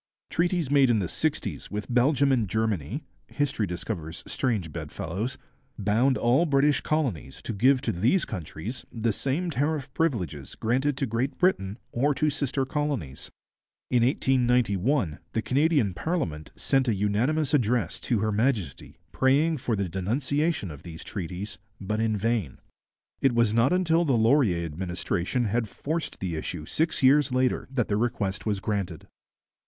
Treaties made in the sixties with Belgium and Germany history discovers strange bedfellows bound all British colonies to give to these countries the same tariff privileges granted to Great Britain or to sister colonies. In 1891 the Canadian parliament sent a unanimous address to Her Majesty praying for the denunciation of these treaties, but in vain. It was not until the Laurier administration had forced the issue six years later that the request was granted.